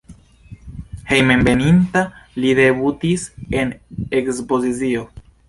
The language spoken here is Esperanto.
Hejmenveninta li debutis en ekspozicio.